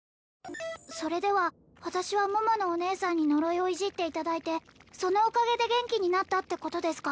それでは私は桃のお義姉さんに呪いをいじっていただいてそのおかげで元気になったってことですか？